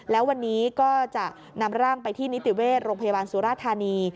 แล้ววันนี้ก็จะนำร่างไปที่นิติเวชโรงพยาบาลสุราธานี